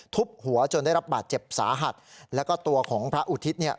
ทุบหัวจนได้รับบาดเจ็บสาหัสแล้วก็ตัวของพระอุทิศเนี่ย